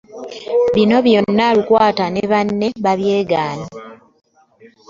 Bino byonna Lukwata ne banne babyegaanyi.